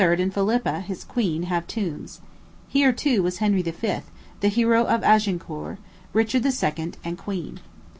and Philippa, his queen, have tombs. Here, too, was Henry V., the hero of Agincourt, Richard II. and queen.